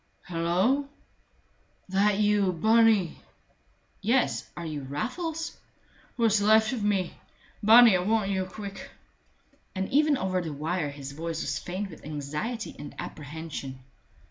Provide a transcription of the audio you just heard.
"Hulloa!" "That you, Bunny?" "Yes are you Raffles?" "What's left of me! Bunny, I want you quick." And even over the wire his voice was faint with anxiety and apprehension.